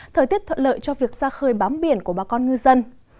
thời tiết thuận lợi cho việc ra khơi bám biển của bà con ngư dân